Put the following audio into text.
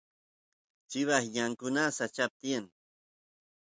chivas ñankuna sacha tiyan